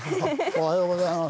おはようございます。